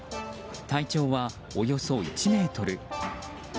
体長はおよそ１ｍ。